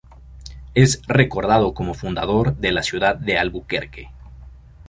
Es recordado como fundador de la ciudad de Albuquerque.